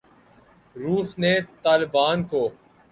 روس نے طالبان کو